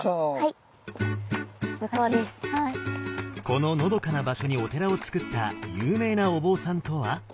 こののどかな場所にお寺を造った有名なお坊さんとは？